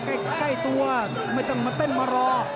ใกล้ตัวไม่ต้องมาเต้นมารอ